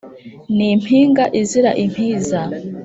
ni impinga izira impiza